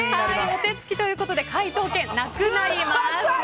お手つきということで解答権、なくなります。